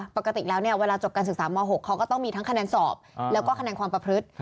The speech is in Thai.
ปกติแล้วเนี่ยเวลาจบการศึกษาม๖เขาก็ต้องมีทั้งคะแนนสอบแล้วก็คะแนนความประพฤติ